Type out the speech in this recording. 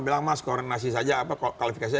bilang mas koordinasi saja kualifikasinya